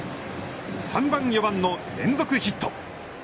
３番４番の連続ヒット。